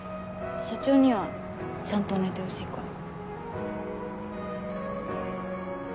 社長にはちゃんと寝てほしいから。